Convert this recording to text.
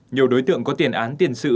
nhiều đối tượng có tiền án tiền sự